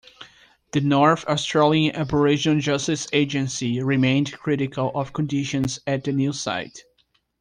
The North Australian Aboriginal Justice Agency remained critical of conditions at the new site.